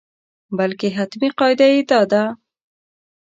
بلکې حتمي قاعده یې دا ده.